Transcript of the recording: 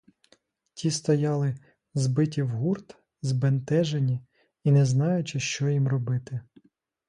Ті стояли, збиті в гурт, збентежені і не знаючи, що їм робити.